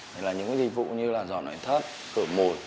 thì là những cái dịch vụ như là dọn lưỡi thất cửa mùi